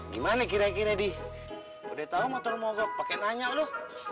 gimana kira kira di udah tahu motor mogok pakai nanya loh